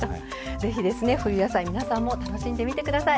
ぜひですね冬野菜皆さんも楽しんでみて下さい。